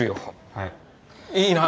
はいいいな？